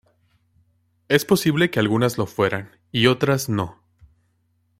Es posible que algunas lo fueran y otras no.